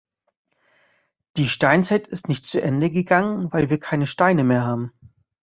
Die Steinzeit ist nicht zu Ende gegangen, weil wir keine Steine mehr haben.